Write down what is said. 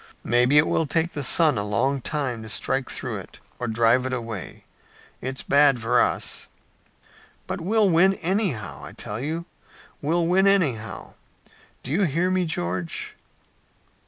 Maybe it will take the sun a long time to strike through it or drive it away. It's bad for us." "But we'll win anyhow. I tell you, we'll win anyhow! Do you hear me, George?"